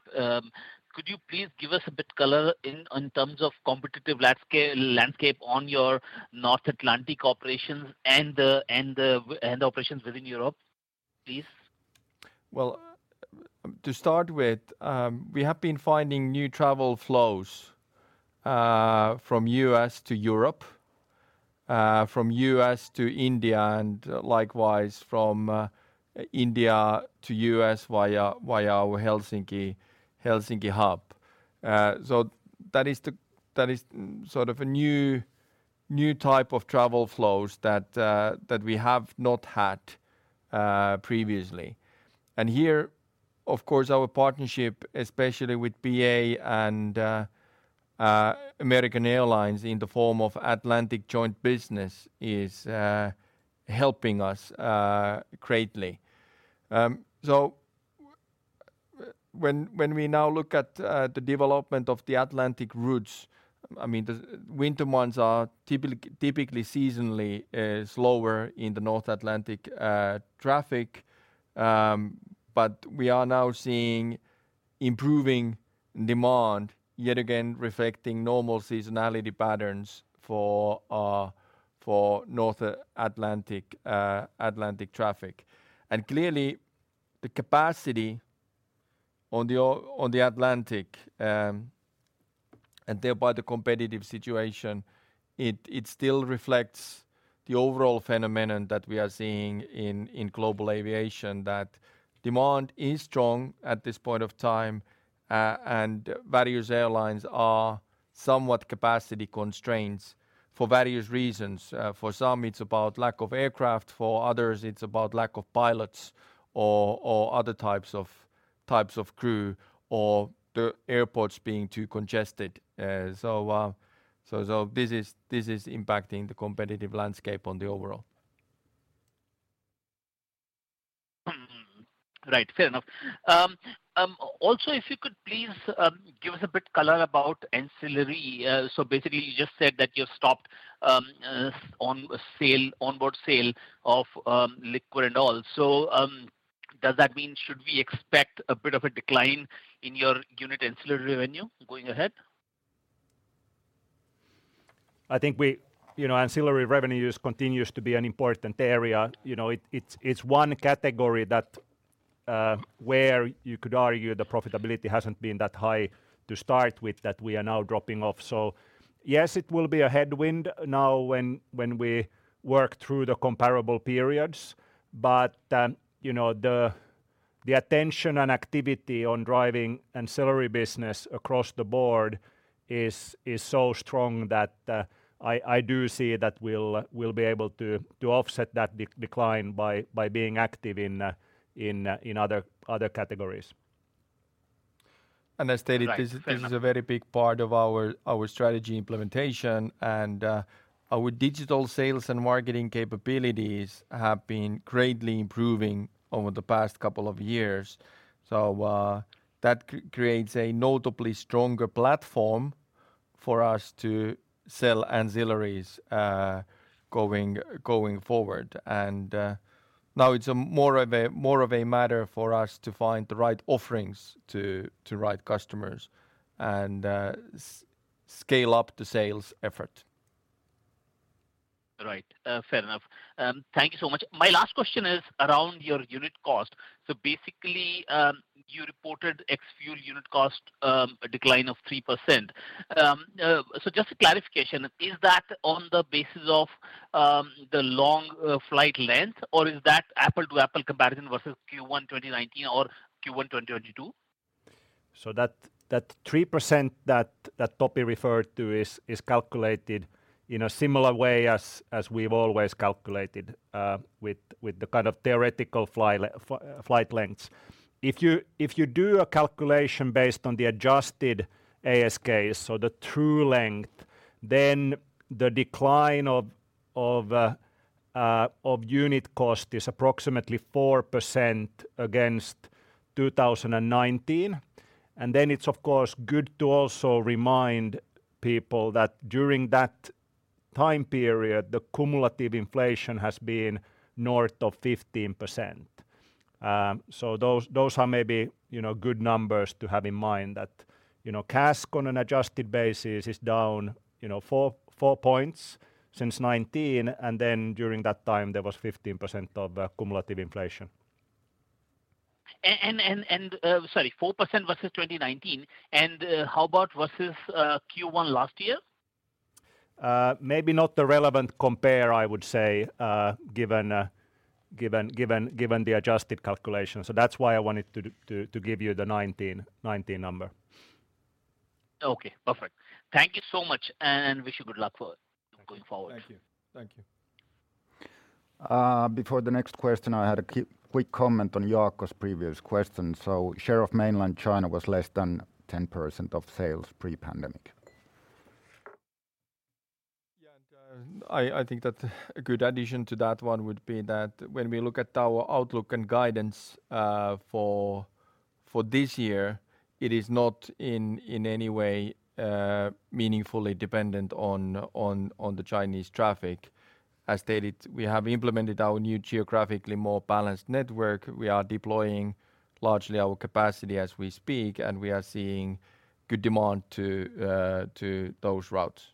F: could you please give us a bit color in terms of competitive landscape on your North Atlantic operations and the operations within Europe, please?
B: Well, to start with, we have been finding new travel flows from U.S. to Europe, from U.S. to India, and likewise from India to U.S. via our Helsinki hub. That is sort of a new type of travel flows that we have not had previously. Here, of course, our partnership, especially with BA and American Airlines in the form of Atlantic Joint Business is helping us greatly. When we now look at the development of the Atlantic routes, I mean, the winter months are typically seasonally slower in the North Atlantic traffic. We are now seeing improving demand, yet again reflecting normal seasonality patterns for North Atlantic traffic. Clearly, the capacity on the Atlantic, and thereby the competitive situation, it still reflects the overall phenomenon that we are seeing in global aviation, that demand is strong at this point of time, and various airlines are somewhat capacity constraints for various reasons. For some, it's about lack of aircraft, for others, it's about lack of pilots or other types of crew or the airports being too congested. This is impacting the competitive landscape on the overall.
F: Right. Fair enough. Also if you could please give us a bit color about ancillary. Basically you just said that you stopped onboard sale of liquor and all. Does that mean should we expect a bit of a decline in your unit ancillary revenue going ahead?
E: I think we, you know, ancillary revenue continues to be an important area. You know, it's one category that where you could argue the profitability hasn't been that high to start with that we are now dropping off. Yes, it will be a headwind now when we work through the comparable periods. You know, the attention and activity on driving ancillary business across the board is so strong that I do see that we'll be able to offset that decline by being active in other categories.
B: As stated
F: Right. Fair enough.
B: This is a very big part of our strategy implementation, and our digital sales and marketing capabilities have been greatly improving over the past couple of years. That creates a notably stronger platform for us to sell ancillaries going forward. Now it's a more of a matter for us to find the right offerings to right customers and scale up the sales effort.
F: Right. Fair enough. Thank you so much. My last question is around your unit cost. Basically, you reported ex-fuel unit cost, a decline of 3%. Just a clarification, is that on the basis of the long flight length, or is that apple-to-apple comparison versus Q1 2019 or Q1 2022?
E: That 3% that Topi referred to is calculated in a similar way as we've always calculated with the kind of theoretical flight lengths. If you do a calculation based on the adjusted ASKs, so the true length, then the decline of unit cost is approximately 4% against 2019. Then it's of course good to also remind people that during that time period, the cumulative inflation has been north of 15%. Those are maybe, you know, good numbers to have in mind that, you know, CASK on an adjusted basis is down, you know, four points since 2019, and then during that time there was 15% of cumulative inflation.
F: Sorry, 4% versus 2019. How about versus Q1 last year?
E: Maybe not the relevant compare, I would say, given the adjusted calculation. That's why I wanted to give you the 19 number.
F: Okay. Perfect. Thank you so much and wish you good luck for going forward.
A: Thank you. Before the next question, I had a quick comment on Jaakko's previous question. Share of mainland China was less than 10% of sales pre-pandemic.
B: I think that a good addition to that one would be that when we look at our outlook and guidance for this year, it is not in any way meaningfully dependent on the Chinese traffic. As stated, we have implemented our new geographically more balanced network. We are deploying largely our capacity as we speak, and we are seeing good demand to those routes.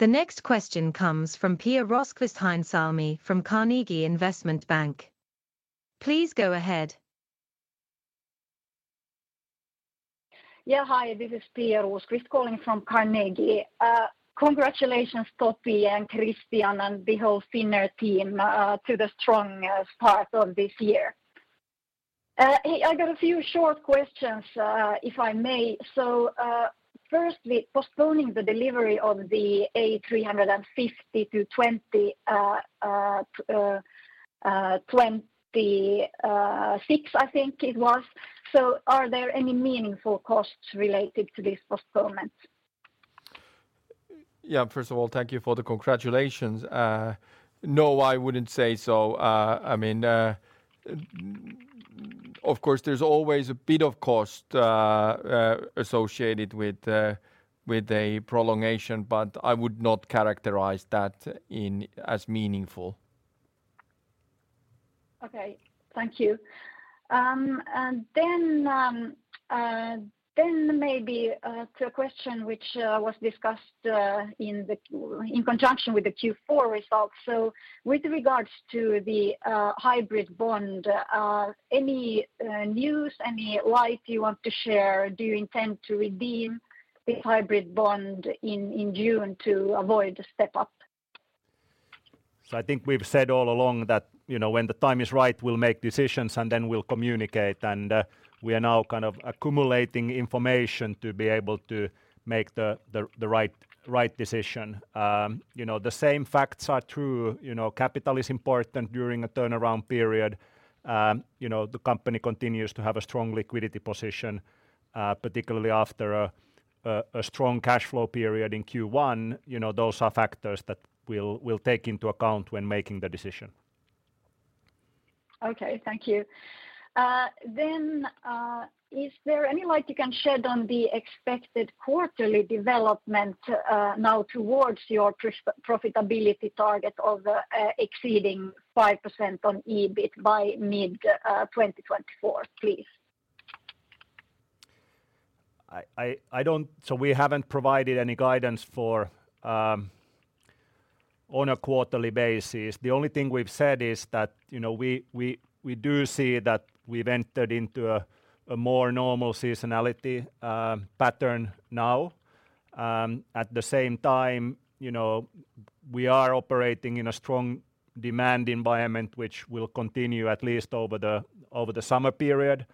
C: The next question comes from Pia Rosqvist-Heinsalmi from Carnegie Investment Bank. Please go ahead.
G: Yeah. Hi, this is Pia Rosqvist calling from Carnegie. Congratulations, Topi and Kristian and the whole Finnair team to the strong start of this year. Hey, I got a few short questions if I may. Firstly, postponing the delivery of the A350 to 2026, I think it was. Are there any meaningful costs related to this postponement?
B: First of all, thank you for the congratulations. No, I wouldn't say so. I mean, of course, there's always a bit of cost associated with a prolongation, but I would not characterize that as meaningful.
G: Okay. Thank you. Then maybe to a question which was discussed in conjunction with the Q4 results. With regards to the hybrid bond, any news, any light you want to share? Do you intend to redeem this hybrid bond in June to avoid the step up?
E: I think we've said all along that, you know, when the time is right, we'll make decisions, then we'll communicate. We are now kind of accumulating information to be able to make the right decision. You know, the same facts are true. You know, capital is important during a turnaround period. You know, the company continues to have a strong liquidity position, particularly after a strong cash flow period in Q1. You know, those are factors that we'll take into account when making the decision.
G: Okay. Thank you. Is there any light you can shed on the expected quarterly development now towards your profitability target of exceeding 5% on EBIT by mid-2024, please?
E: We haven't provided any guidance for on a quarterly basis. The only thing we've said is that, you know, we do see that we've entered into a more normal seasonality pattern now. At the same time, you know, we are operating in a strong demand environment which will continue at least over the summer period.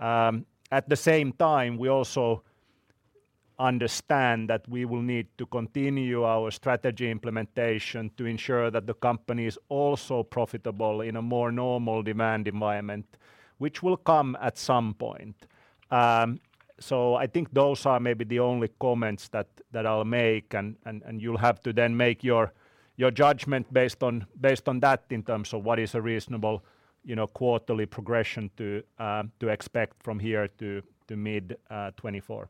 E: At the same time, we also understand that we will need to continue our strategy implementation to ensure that the company is also profitable in a more normal demand environment, which will come at some point. I think those are maybe the only comments that I'll make and you'll have to then make your judgment based on that in terms of what is a reasonable, you know, quarterly progression to expect from here to mid 2024.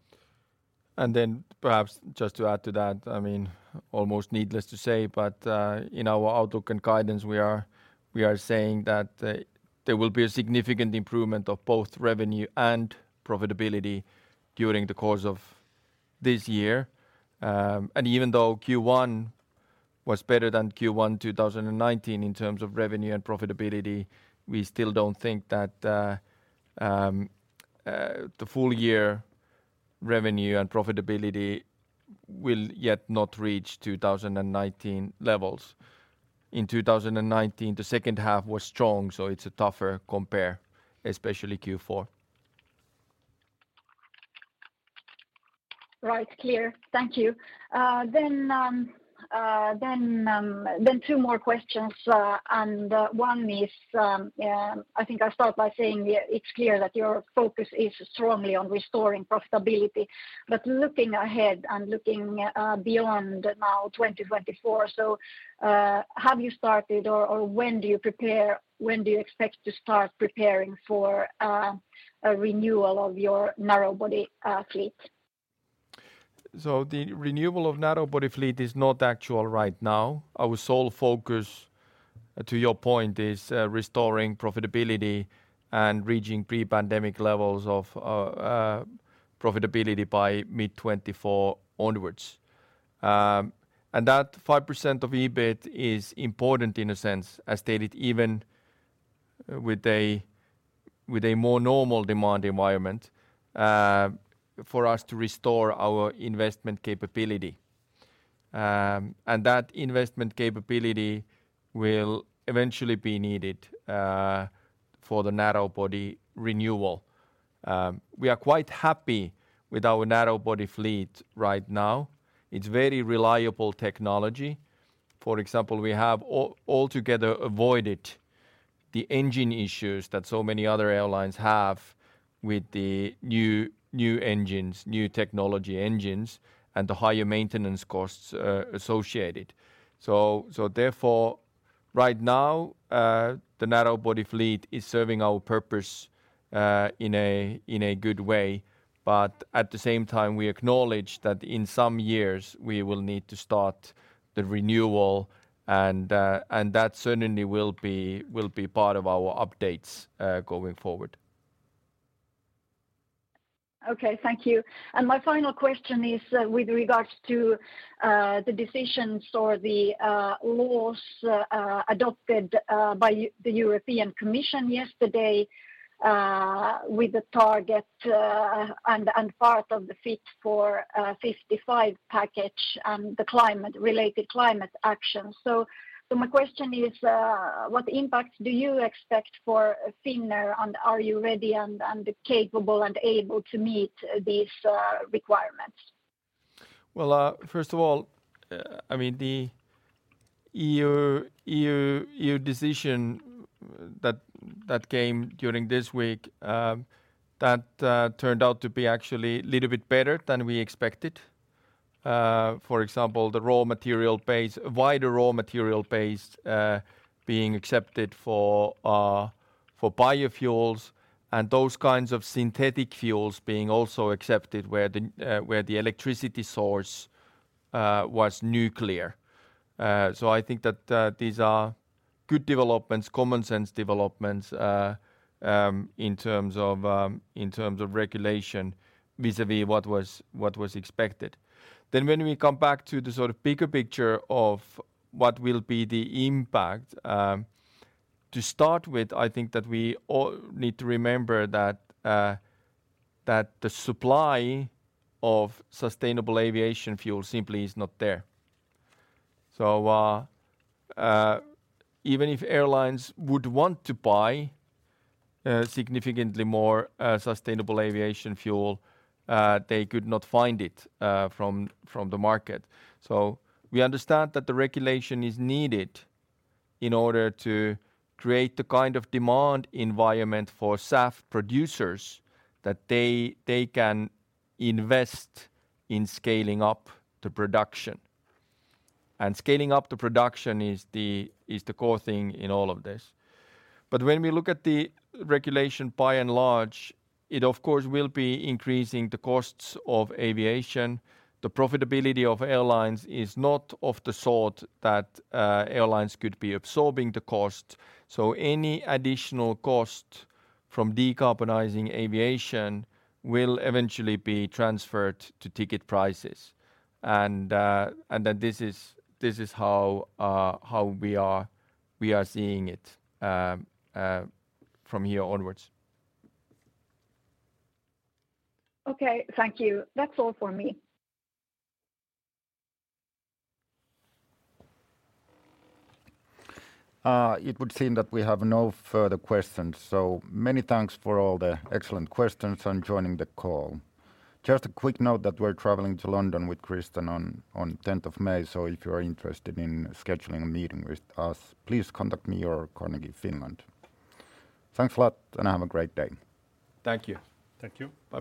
B: Perhaps just to add to that, I mean, almost needless to say, but in our outlook and guidance, we are saying that there will be a significant improvement of both revenue and profitability during the course of this year. Even though Q1 was better than Q1 2019 in terms of revenue and profitability, we still don't think that the full year revenue and profitability will yet not reach 2019 levels. In 2019, the second half was strong, so it's a tougher compare, especially Q4.
G: Right. Clear. Thank you. Then two more questions. One is, I think I'll start by saying it's clear that your focus is strongly on restoring profitability. Looking ahead and looking beyond now 2024, have you started or when do you expect to start preparing for a renewal of your narrow body fleet?
B: The renewal of narrow body fleet is not actual right now. Our sole focus, to your point, is restoring profitability and reaching pre-pandemic levels of profitability by mid-2024 onwards. That 5% of EBIT is important in a sense, as stated even with a more normal demand environment, for us to restore our investment capability. That investment capability will eventually be needed for the narrow body renewal. We are quite happy with our narrow body fleet right now. It's very reliable technology. For example, we have altogether avoided the engine issues that so many other airlines have with the new engines, new technology engines, and the higher maintenance costs associated. Therefore, right now, the narrow body fleet is serving our purpose in a good way. At the same time, we acknowledge that in some years we will need to start the renewal and that certainly will be part of our updates, going forward.
G: Okay. Thank you. My final question is with regards to the decisions or the laws adopted by the European Commission yesterday with the target and part of the Fit for 55 package and the climate-related climate action. My question is what impact do you expect for Finnair, and are you ready and capable and able to meet these requirements?
B: Well, first of all, I mean, the EU decision that came during this week, that turned out to be actually little bit better than we expected. For example, the wider raw material base being accepted for biofuels and those kinds of synthetic fuels being also accepted where the electricity source was nuclear. I think that these are good developments, common sense developments, in terms of in terms of regulation vis-a-vis what was expected. When we come back to the sort of bigger picture of what will be the impact, to start with, I think that we all need to remember that the supply of sustainable aviation fuel simply is not there. Even if airlines would want to buy significantly more sustainable aviation fuel, they could not find it from the market. We understand that the regulation is needed in order to create the kind of demand environment for SAF producers that they can invest in scaling up the production. Scaling up the production is the core thing in all of this. When we look at the regulation by and large, it of course will be increasing the costs of aviation. The profitability of airlines is not of the sort that airlines could be absorbing the cost. Any additional cost from decarbonizing aviation will eventually be transferred to ticket prices. This is how we are seeing it from here onwards.
G: Okay. Thank you. That's all for me.
A: It would seem that we have no further questions. Many thanks for all the excellent questions and joining the call. Just a quick note that we're traveling to London with Kristian on tenth of May. If you are interested in scheduling a meeting with us, please contact me or Carnegie Finland. Thanks a lot, and have a great day.
B: Thank you.
E: Thank you. Bye-bye.